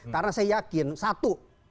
karena saya yakin satu